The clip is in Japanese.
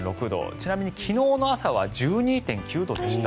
ちなみに昨日の朝は１２．９度でした。